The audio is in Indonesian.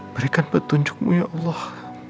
berikan petunjukmu ya allah